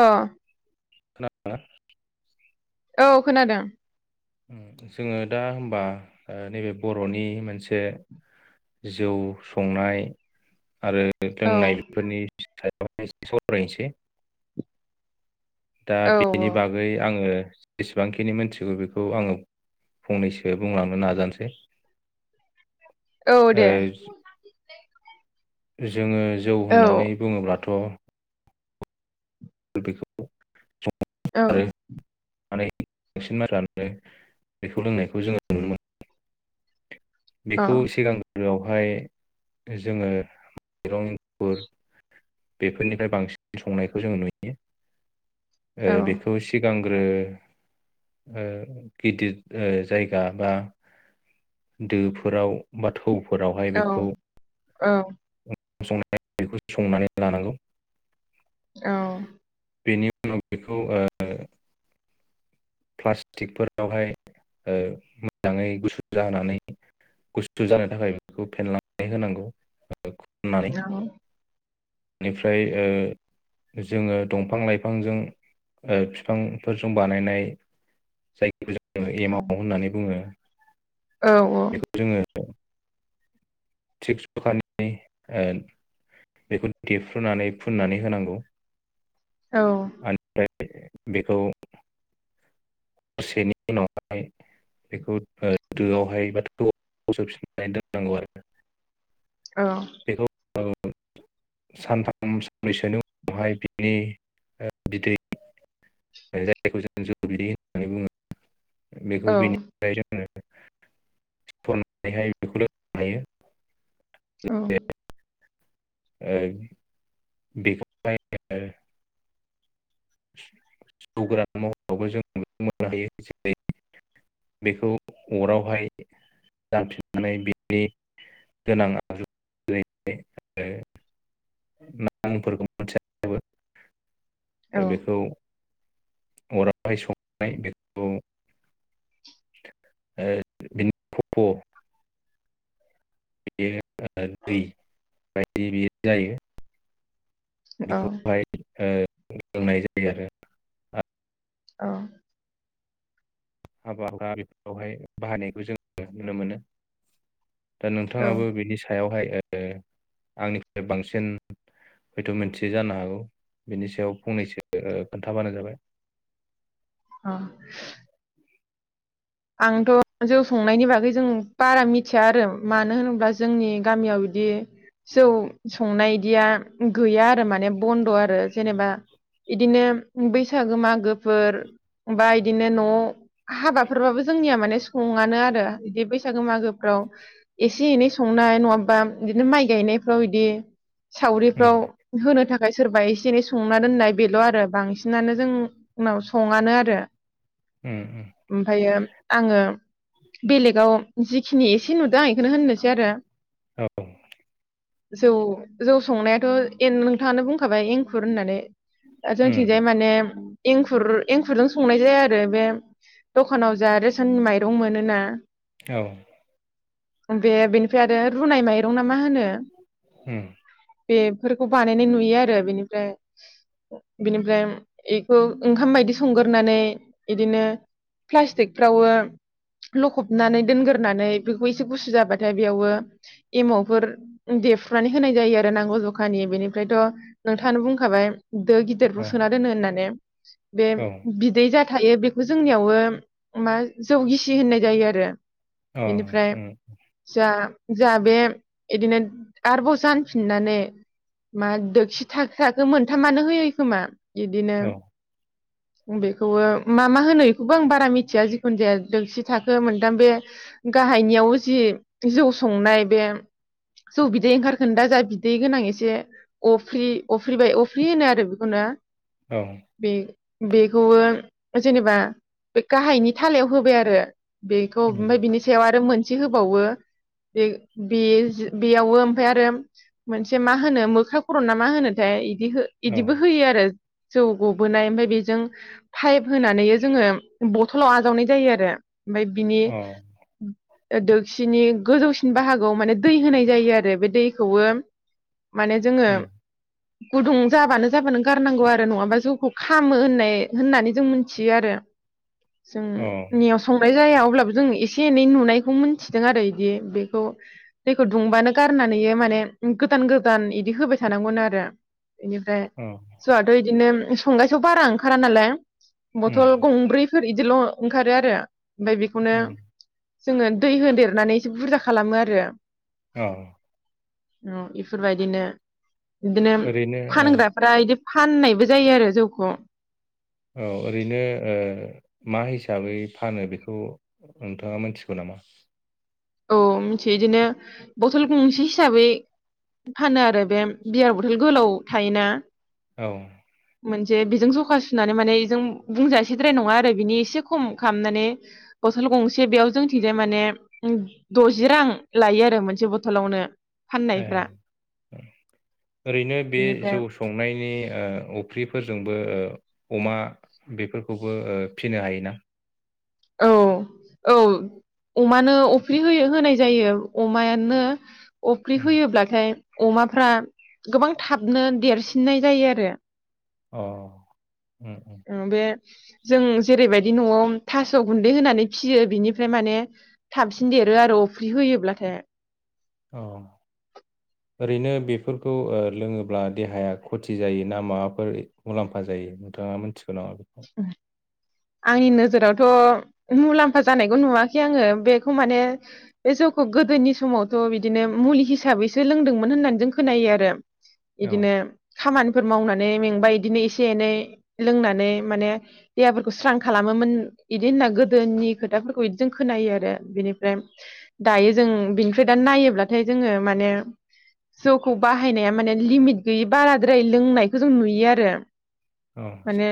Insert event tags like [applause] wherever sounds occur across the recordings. अ खोना दोना? ओव खोनादों उम जोङो दा होमबा नैबे बर'नि मोनसे जौ संनाय, आरो औ लोंनाय बेफोरनि [unintelligible] सावरायनोसै दा औ बेनि बागै आङो, जेसेबांखिनि मिथिगौ बेखौ आङो फंनैसो बुंलांनो नाजानोसै, औ ओ दे [inaudible] [unintelligible] जोङो जौ औ होननानै बुङोब्लाथ' बेखौ औ मानै बांसिन बेखौ लोंनायखौ जोङो नुनो मोन औ बेखौ सिगां बेवहाय जोङो माइरं गुफुर बेफोरनिफ्राय बांसिन संनायखौ जों नुयो, ओ औ बेखौ सिगां ग्रो ओ गिदिर जायगा बा दोफोराव बाथौ फोरावहाय औ बेखौ औ संनाय संनानै लानांगौ, औ बेनि उनाव बेखौ ओ प्लास्टिकफोरावहाय ओ मोजाङै गुसु जाहोनानै गुसु जानो थाखाय बेखौ फेनलानानै होनांगौ खननानै [inaudible] बेनिफ्राय ओ जोङो दंफां लाइफांजों बिफांफोरजों बानायनाय जाय जोङो एम आव होननानै बुङो। औ औ औ थिक जखानि ओ बेखौ देफ्रुनानै फुननानै होनांगौ। औ। बे बेखौ दसेनि उनावहाय बेखौ दोआवहाय बा [unintelligible] दोननांगौ आरो। औ। औ सानथाम सानब्रैसोनि उनावहाय बिनि ओ बिदै ओ जायखौ जों जौ बिदै होनो होननानै बुङो। बेखौ बेनिफ्राय सरनानैहाय बेखौ लोंनो हायो। औ। ओ बेखौ हायो ओ जौगोरान महरावबो जों नुनो मोननो हायो जेरै बेखौ अरावहाय जानफिननानै बिनि गोनां आगजु आरो नामफोरखौ मोनथिबो ओ बेखौ। अरावहाय संनाय बेखौ ओ बिनि खफ' बेयो दै बायदि बेयो जायो। बेखौहाय ओह फोरोंनाय जायो आरो आं अह हाबा हुखा बेफोरावहाय बाहायनायखौ जोङो नुनो मोनो। दा औ औ नोंथाङाबो बिनि सायावहाय ओ ओ आंनिफ्राय बांसिन हयथ' मोनथिया जानो हागौ बिनि सायाव फंनैसो खोन्थाबानो जाबाय अह आंथ' जौ संनायनि बागै जों बारा मिथिया आरो मानो होनोब्ला जोंनि गामियाव बिदि जौ संनाय इदिया गैया आरो माने बन्द' आरो जेनेबा इदिनो बैसागो मागोफोर बा बिदिनो न' हाबा फोरबाबो जोंनिया माने सङानो आरो बिदि बैसागो मागोफ्राव एसे एनै संनाय नङाबा बिदिनो माइ गायनायफ्राव इदि सावरिफ्राव होनो थाखाय सोरबा एसे एनै संना दोननाय बेल आरो बांसिनानो जों उनाव सङानो आरो। उम उम। ओमफायो आङो बेलेगाव जिखिनि एसे नुदों आं बेखौनो होननोसै आरो। औ। जौ जौ संनायाथ' नोंथाङानो बुंखाबाय एंखुर होननानै ओ जोंनिथिंजाय माने एंखुर एंखुरजों संनाय जाया आरो बे दखानाव जा रेसन माइरं मोनोना औ। बे बेनिफ्राय आरो रुनाय माइरं ना मा होनो? उम। बेफोरखौ बानायनाय नुयो आरो बेनिफ्राय बेनिफ्राय बेखौ ओंखाम बायदि संग्रोनानै बिदिनो प्लास्टिकफ्रावो लखबनानै दोनग्रोनानै बेखौ एसे गुसु जाबाथाय बेयावबो एमावफोर देफ्रुनानै होनाय जायो आरो नांगौ जखानि बेनिफ्रायथ नोंथाङानो बुंखाबाय दो गिदिरफोराव औ सोना दोनो होननानै बे उम बिदै जा थायो बेखौ जोंनियावो मा जौ गिसि होननाय जायो आरो। औ बेनिफ्राय उम जा जा बे इदिनो आरबाव जानफिननानै मा दोखि थाखाखो मोनथामानो होयो खोमा? बिदिनो औ बेखौबो मा मा होनो बेखौबो आं बारा बारा मिथिया जिखुनु जाया दोंसि थाखो मोनदाम बे गाहायनियाव जि जौ संनाय बे जौ बिदै ओंखारखोनदा जा बिदै गोनां एसे अफ्रि अफ्रिबाय अफ्रि होनो आरो बेखौनो। बे बेखौबो जेनेबा बे गाहायनि थालायाव होबाय आरो बेखौ उम ओमफाय बिनि सायाव आरो मोन से होबावो बे-बे-बेयावबो ओमफ्राय आरो मोनसे मा होनो मोख्रा खरना मा होनोथाय बिदि हो औ अ बिदिबो होयो आरो। जौ गबोनाय ओमफाय बेजों पाइप होनानै जोङो बथलाव आजावनाय जायो आरो। ओमफाय बिनि दोखसिनि गोजौसिन बाहागोआव माने दै होनाय जायो आरो बे दैखौबो माने जोङो उम गुदुं जाबानो जाबानो गारनांगौ आरो नङाबा जौखौ खामो होननाय होननानै जों मोनथियो आरो। जों औ नियाव संनाय जाया अब्लाबो जों एसे एनै नुनायखौ मोनथिदों आरो इदि बेखौ दैखौ दुंबानो गारनानै माने गोदान गोदान इदि होबाय थानांगौनो आरो। बिनिफ्राय अ जौआथ बिदिनो संगाइसेआव बारा ओंखारा नालाय उम बथल गंब्रैफोर इदिल ओंखारो आरो। ओमफाय बेखौनो उम जोङो दै होदेरनानै एसे बुरजा खालामो आरो। औ औ इफोरबायदिनो इदिनो ओरैनो औ फानग्राफ्रा इदि फाननायबो जायो आरो जौखौ। औ ओरैनो ओ मा हिसाबै फानो बेखौ नोंथाङा मोनथिगौ नामा? औ मिथियो इदिनो बथल गंसे हिसाबै फानो आरो बे बियार बथल गोलाव थायोना। औ मोनसे बेजों सखा सुनानै माने इजों बुंजासिद्राय नङा आरो बिनि एसे खम खालामनानै बथल गंसे बेयाव जोंथिंजाय माने दजि रां लायो आरो मोनसे बथलावनो। ए, फाननायफ्रा ओ ओरैनो बे बिनिफ्राय जौ संनायनि ओ अफ्रिफोरजोंबो ओ अमा बेफोरखौबो ओ फिनो हायोना? औ औ अमानो अफ्रि होयो होनाय जायो अमानो अफ्रि उम होयोब्लाथाय अमाफ्रा गोबां थाबनो देरसिननाय जायो आरो। अ, उम। उम बे जों जेरैबायदि नआव थास' गुन्दै होनानै फियो बिनिफ्राय माने थाबसिन देरो आरो अफ्रि होयोब्लाथाय। औ ओरैनो बेफोरखौ ओ लोङोब्ला देहाया खथि जायो ना माबाफोर मुलाम्फा जायो नोंथाङा मिथि [unintelligible] आंनि नोजोरावथ' मुलाम्फा जानायखौ नुवाखै आङो बेखौ माने बे जौखौ गोदोनि समावथ बिदिनो मुलि हिसाबैसो लोंदोंमोन होननानै जों खोनायो आरो। औ इदिनो खामानि फोर मावनानै मेंबा इदिनो एसे एनै लोंनानै माने देहाफोरखौ स्रां खालामोमोन इदि होनना गोदोनि खोथाफोरखौ इदि जों खोनायो आरो, बेनिफ्राय दायो जों बिनिफ्राय दा नायोब्लाथाय जोङो माने जौखौ बाहायनाया माने लिमिट गैयि बाराद्राय लोंनायखौ जों नुयो आरो। औ माने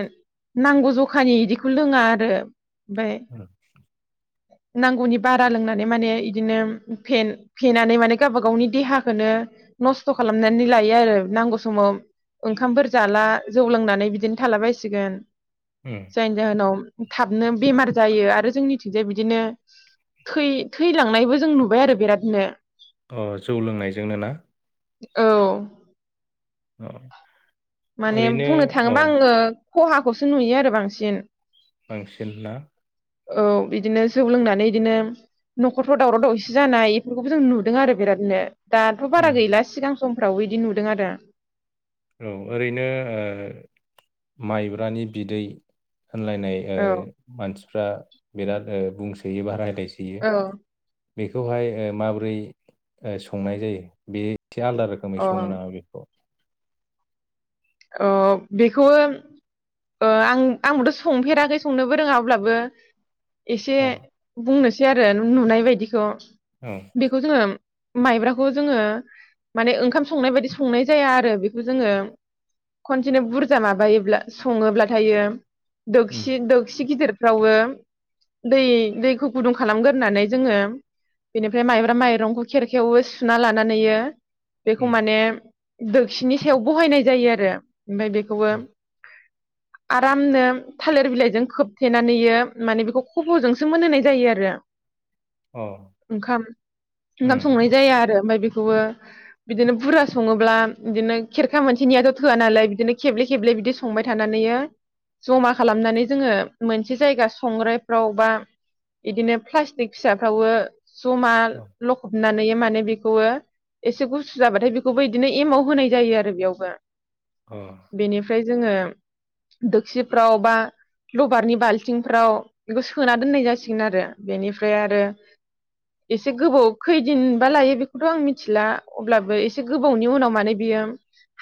नांगौ जखानि इदिखौ लोङा आरो ओमफाय [inaudible] नांगौनि बारा लोंनानै माने इदिनो फेन-फेनानै माने गावबा गावनि देहाखौनो नस्थ' खालामनानै लायो आरो नांगौ समाव ओंखामफोर जाला जौ लोंनानै बिदिनो थालाबायसिगोन। उम जायनि जाहोनाव थाबनो बेमार जायो आरो जोंनिथिंजाय बिदिनो थै-थैलांनायबो जों नुबाय आरो बिरादनो अ जौ लोंनायजोंनो ना? औ अ माने ओरैनो बुंनो औ थाङोबा आङो खहाखौसो नुयो आरो बांसिन बांसिन ना? औ इदिनो जौ लोंनानै इदिनो नखरफ्राव दावराव दावसि जानाय इफोरखौबो जों नुदों आरो बिरादनो। दाथ' उम बारा गैला सिगां समफ्रावबो इदि नुदों आरो। औ ओरैनो ओ माइब्रानि बिदै होनलायनाय ओ औ मानसिफ्रा बिराद ओ बुंसोयो बा रायलाय औ बेखौहाय ओ माबोरै ओ संनाय जायो बि से आलदा औ रोखोमै अ सङो नामा बेखौ? अ बेखौ ओ ओ आं आंबोथ' संफेराखै संनोबो रोङा अब्लाबो एसे औ बुंनोस सै आरो नुनाय बायदिखौ। औ बेखौ जोङो माइब्राखौ जोङो माने ओंखाम संनाय बायदि संनाय जाया आरो बेखौ जोङो खनसेनो बुरजा माबायोब्ला सङोब्लाथाययो उम दोगसि दोगसि गिदिर फ्रावबो दै-दैखौ गुदुं खालामगोरनानै जोङो बेनिफ्राय माइब्रा माइरंखौ खेरखायाव सुना लानानैयो बेखौ उम माने दोक्सिनि सायाव बहायनाय जायो आ रो ओमफ्राय बेखौबो आरामनो थालिर बिलाइजों खोबथेनानैयो माने बेखौ खबजोंसो मोनहोनाय जायो आरो। अ ओंखाम ओंखाम संनाय उम जाया आरो ओमफ्राय बे खौबो बिदिनो बुरजा सङोब्ला बिदिनो खेरखा मोनसेनियाथ' थोआ नालाय बिदिनो खेबले खेबले बिदि संबाय थानानैयो जमा खालामनानै जोङो मोनसे जायगा संग्रायफ्राव बा इदिनो प्लास्टिक फिसाफ्रावबो जमा लखबनानैयो माने बेखौयो एसे गुसु जाबाथाय बेखौबो इदिनो एमाव होनाय जायो आरो बेयावबो। अ बेनिफ्राय जोङो दोक्सिफ्राव बा लबारनि बाल्थिंफ्राव बेखौ सोना दोननाय जासिगोन आरो बेनिफ्राय आरो एसे गोबाव खैदिनबा लायो बेखौथ' आं मिथिला अब्लाबो एसे गोबावनि उनाव माने बियो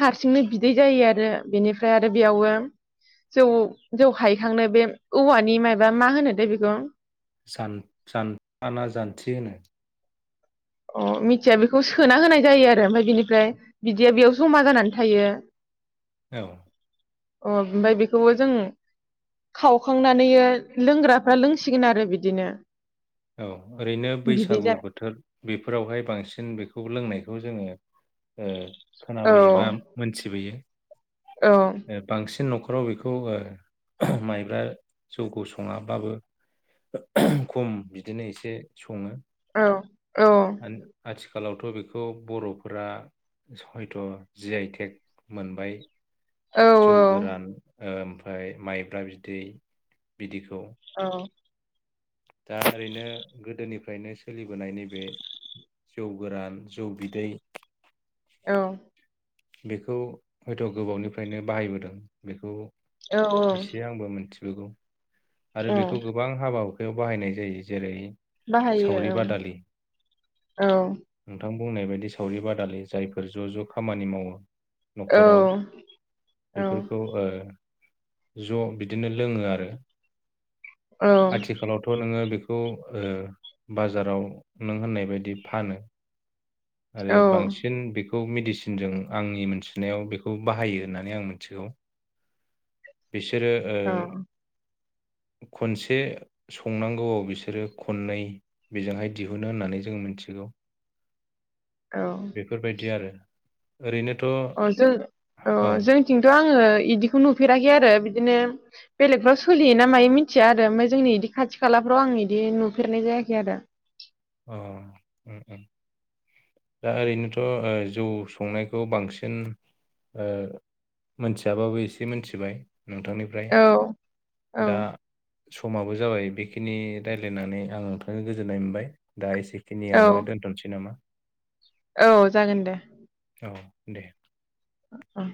हारसिंनो बि दै जायो आरो बेनिफ्राय आरो बेयावबो जौ जौ हायखांनो बे औवानि माबा मा होनोथाय बेखौ जान-जानथाना जानथि होनो? अ मिथिया बेखौ सोना होनाय जायो आरो ओमफ्राय बिनिफ्राय बिदैया बेयाव जमा जानानै थायो। औ अ ओमफ्राय बेखौबो जों खावखांनानैयो लोंग्राफ्रा लोंसिगोन आरो बिदिनो। औ ओरैनो बिदै बैसागु जा बोथोर। बेफोरावहाय बांसिन बेखौ लोंनायखौ जोङो ओ औ खोनाबोयोबा मोनथिबोयो। औ ओ बांसिन नख' राव बेखौ ओ माइब्रा जौखौ सङाबाबो खम बिदिनो एसे सङो। औ औ आन-आथि खालावथ' बेखौ बर'फोरा हयथ जि आइ टेक मोनबाय। औ जौ गोरान ओम फ्राय माइब्रा बिदै बिदै औ दा ओरैनो गोदोनिफ्रायनो सोलिबोनाय नैबे जौ गोरान, जौ बिदै औ बेखौ हयथ गोबावनिफ्रायनो बाहायबोदों बेखौ औ एसे आंबो मोनथि बोगौ। आरो औ बेखौ गोबां हाबाया बेयाव बाहायनाय जायो जेरै बाहायो सावरि औ। बादालि औ नोंथां बुंनाय बायदि सावरि बादालि जायफोर ज ज खामानि मावो। नखराव औ बेफोरखौ औ ओ ज‌' बिदिनो लोङो आरो आथिखालावथ' नोङो बे खौ ओ बाजाराव नों होननाय बायदि फानो। आरो औ बांसिन बे खौ मेडिसिनजों आंनि मिथिनायाव बेखौ बाहायो होननानै आं मिथिगौ। बिसोरो ओ औ खनसे संनांगौआव बिसोरो खननै बेजोंहाय दिहुनो होननानै जों मोनथिगौ। औ बेफोरबायदि आरो ओरैनो अ जों अ जोंथिंथ आं ङो इदिखौ नुफेराखै आरो बिदिनो बेलेगफ्राव सोलियोना मायो मिन्थिया आरो ओमफाय जोंनि बिदि खाथि खालाफ्राव आं बिदि नुफेरनाय जायाखै आरो। अ उम उम दा ओरैनोथ ओ जौ संनायखौ बांसिन ओ मोनथियाबाबो एसे मोनथिबाय। नोंथांनिफ्राय औ औ दा समाबो जाबाय बेखिनि रायलायनानै आं नोंथां गोजोननाय मोनबाय। दा इसि खिनियावनो औ दोनथसै नामा? औ जागोन दे। औ दे। औ